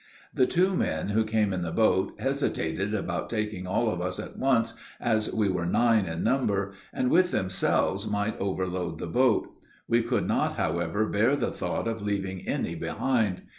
The two men, who came in the boat, hesitated about taking all of us at once, as we were nine in number, and with themselves might overload the boat. We could not, however, bear the thought of leaving any behind.